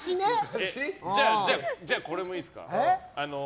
じゃあ、これもいいですか。